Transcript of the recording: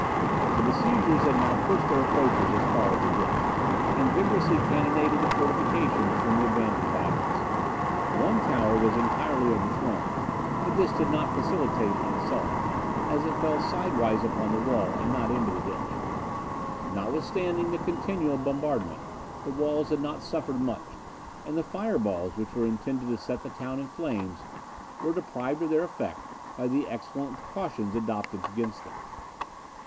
The besiegers had now pushed their approaches as far as the ditch, and vigorously cannonaded the fortifications from the abandoned batteries. One tower was entirely overthrown, but this did not facilitate an assault, as it fell sidewise upon the wall, and not into the ditch. Notwithstanding the continual bombardment, the walls had not suffered much; and the fire balls, which were intended to set the town in flames, were deprived of their effect by the excellent precautions adopted against them.